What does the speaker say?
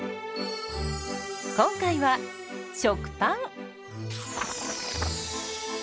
今回は食パン。